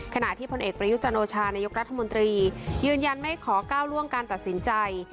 ขณะที่พลเอกประยุจันโอชานายกรัฐมนตรียืนยันไม่ขอก้าวล่วงการตัดสินใจ